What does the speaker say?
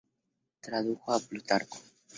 Tradujo a Plutarco.